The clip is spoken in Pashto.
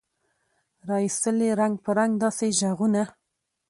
را ایستل یې رنګ په رنګ داسي ږغونه